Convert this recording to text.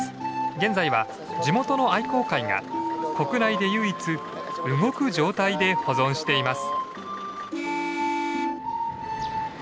現在は地元の愛好会が国内で唯一動く状態で保存しています。